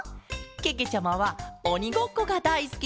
けけちゃまはおにごっこがだいすきケロ！